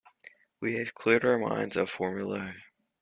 We have cleared our minds of formulae.